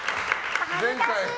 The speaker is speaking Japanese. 恥ずかしい！